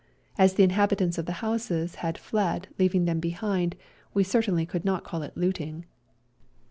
As the inhabitants of the houses had fled leaving them behind we certainly could not call it looting.